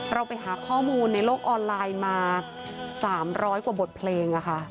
เราไปหาข้อมูลในโลกออนไลน์มา๓๐๐กว่าบทเพลง